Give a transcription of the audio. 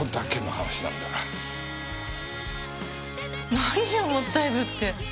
何よもったいぶって。